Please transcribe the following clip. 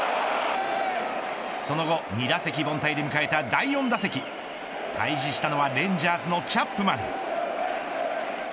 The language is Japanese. その後、２打席凡退で迎えた第４打席対峙したのはレンジャーズのチャップマン。